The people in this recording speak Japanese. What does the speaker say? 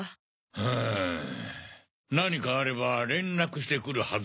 うん何かあれば連絡してくるはず